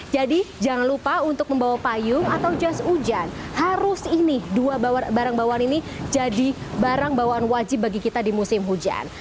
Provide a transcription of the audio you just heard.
jadi jangan lupa untuk membawa payung atau just hujan harus ini dua barang bawaan ini jadi barang bawaan wajib bagi kita di musim hujan